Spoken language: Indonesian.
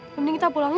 mending kita pulang yuk